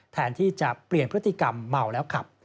แทนที่จะเปลี่ยนพฤติกรรมเมาแล้วขับ